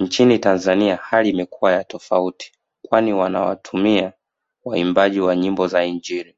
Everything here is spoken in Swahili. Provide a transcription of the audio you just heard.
Nchini Tanzania hali imekuwa ya tofauti kwani wanawatumia waimbaji wa nyimbo za injili